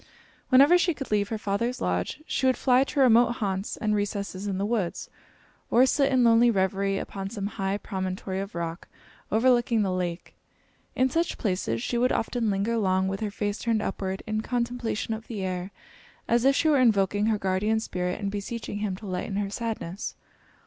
Whenever she could leave her father's lodge she would fly to remote haunts and recesses in the woods, or sit in lonely reverie upon some high promontory of rock overlooking the lake. In such places she would often linger long, with her face turned upward, in contemplation of the air, as if she were invoking her guardian spirit and beseeching him to lighten her sadness.